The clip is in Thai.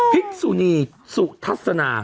พิกษุนีสุทัศนา